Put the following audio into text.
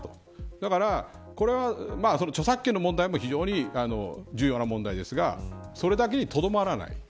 だからこれは、著作権の問題も非常に重要な問題ですがそれだけにとどまらない。